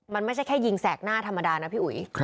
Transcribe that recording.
มันไม่ใช่แค่ยิงแสกหน้าธรรมดานะพี่อุ๋ย